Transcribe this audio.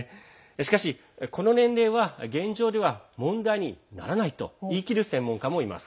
しかし、この年齢は現状では問題にならないと言い切る専門家もいます。